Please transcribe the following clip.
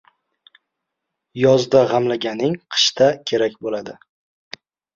• Yozda g‘amlaganing qishda kerak bo‘ladi.